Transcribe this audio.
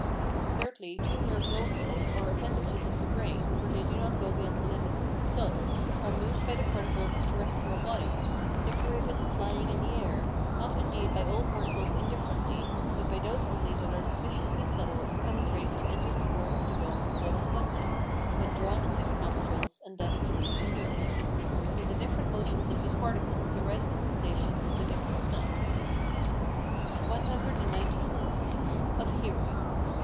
Thirdly, two nerves also or appendages of the brain, for they do not go beyond the limits of the skull, are moved by the particles of terrestrial bodies, separated and flying in the air, not indeed by all particles indifferently, but by those only that are sufficiently subtle and penetrating to enter the pores of the bone we call the spongy, when drawn into the nostrils, and thus to reach the nerves. From the different motions of these particles arise the sensations of the different smells. CXCIV. Of hearing.